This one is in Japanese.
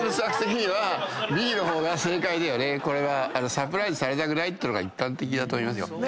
サプライズされたくないっていうのが一般的だと思いますよ。